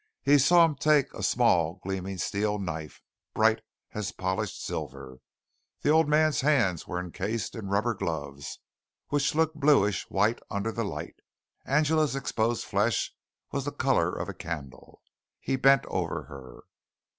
He saw him take a small gleaming steel knife bright as polished silver. The old man's hands were encased in rubber gloves, which looked bluish white under the light. Angela's exposed flesh was the color of a candle. He bent over her.